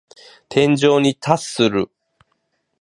天井に達する。